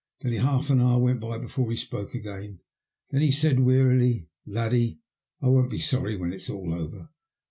Nearly half an hour went by before he spoke again. Then he said wearily, —" Laddie, I won't be sorry when it's all over.